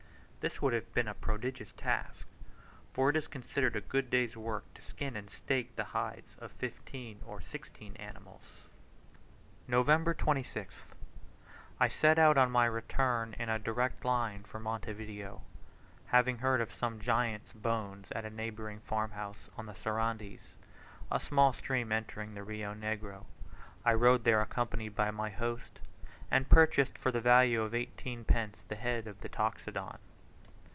This would have been a prodigious task, for it is considered a good day's work to skin and stake the hides of fifteen or sixteen animals. November 26th. I set out on my return in a direct line for Monte Video. Having heard of some giant's bones at a neighbouring farm house on the Sarandis, a small stream entering the Rio Negro, I rode there accompanied by my host, and purchased for the value of eighteen pence the head of the Toxodon.